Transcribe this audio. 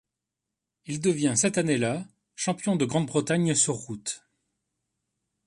Il devient cette-année là champion de Grande-Bretagne sur route.